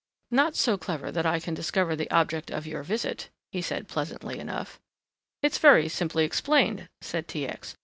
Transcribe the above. "Not so clever that I can discover the object of your visit," he said pleasantly enough. "It is very simply explained," said T. X.